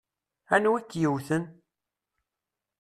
Anwa i k-yewwten?